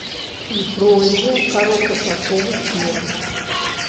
І пройдзе кароткачасовы снег.